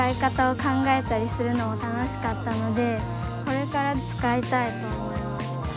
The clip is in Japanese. これからつかいたいと思いました。